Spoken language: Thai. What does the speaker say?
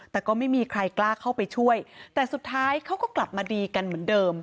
แต่ก็ไม่มีใครกล้าเข้าไปช่วยแต่สุดท้ายเขาก็กลับมาดีกันเหมือนเดิม